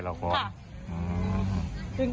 โทรศัพที่ถ่ายคลิปสุดท้าย